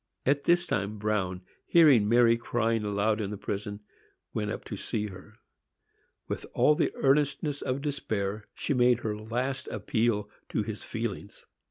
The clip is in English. At this time Bruin, hearing Mary crying aloud in the prison, went up to see her. With all the earnestness of despair, she made her last appeal to his feelings.